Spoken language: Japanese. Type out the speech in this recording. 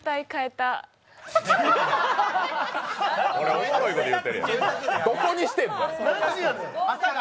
おもろいこと言うてるやん。